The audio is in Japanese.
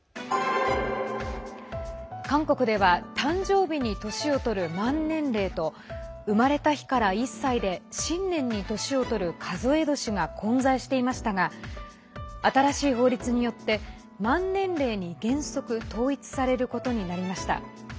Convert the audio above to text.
韓国では誕生日に年をとる満年齢と生まれた日から１歳で新年に年をとる数え年が混在していましたが新しい法律によって満年齢に原則統一されることになりました。